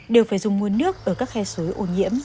đều phải dùng nguồn nước ở các khe suối ô nhiễm